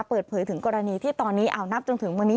เปิดเผยถึงกรณีที่ตอนนี้เอานับจนถึงวันนี้